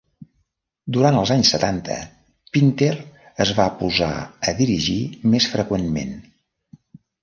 Durant els anys setanta, Pinter es va posar a dirigir més freqüentment.